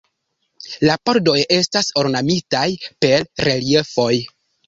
La pordoj estas ornamitaj per reliefoj.